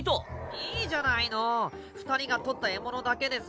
いいじゃないの二人がとった獲物だけでさ。